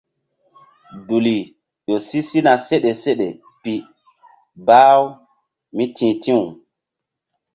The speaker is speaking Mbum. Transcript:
Duli ƴo si sina seɗe seɗe pi bah-u mí ti̧h ti̧w.